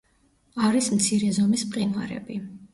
არის მცირე ზომის მყინვარები.